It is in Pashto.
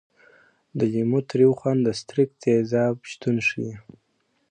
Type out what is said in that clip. د لیمو تریو خوند د ستریک تیزاب شتون ښيي.